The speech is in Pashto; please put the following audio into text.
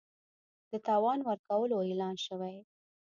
د تاوان ورکولو اعلان شوی